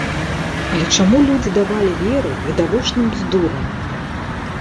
Але чаму людзі давалі веры відавочным бздурам?